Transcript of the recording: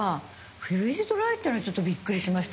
フリーズドライっていうのちょっとビックリしました。